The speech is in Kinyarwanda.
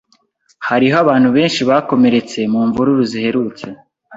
Hariho abantu benshi bakomeretse mu mvururu ziherutse.